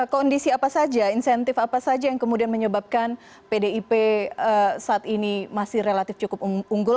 kondisi apa saja insentif apa saja yang kemudian menyebabkan pdip saat ini masih relatif cukup unggul